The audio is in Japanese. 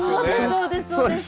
そうですそうです。